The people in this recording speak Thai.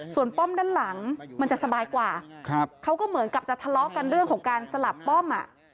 ส่วนป้อมด้านหลังมันจะสบายกว่าเขาก็เหมือนกับจะทะเลาะกันเรื่องของการสลับป้อม